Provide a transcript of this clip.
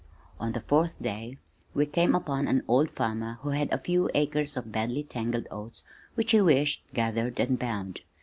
On the fourth day we came upon an old farmer who had a few acres of badly tangled oats which he wished gathered and bound.